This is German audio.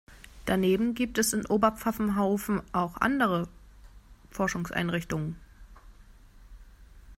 Daneben gibt es in Oberpfaffenhofen auch andere Forschungseinrichtungen.